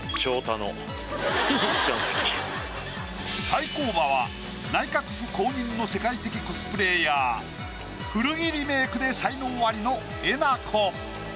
対抗馬は内閣府公認の世界的コスプレイヤー古着リメイクで才能アリのえなこ。